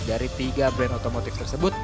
dari tiga brand otomotif tersebut